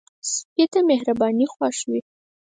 سپي ته مهرباني خوښ وي.